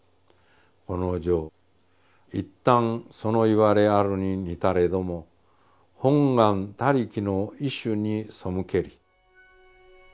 この条一旦そのいわれあるににたれども本願他力の意趣にそむけり」。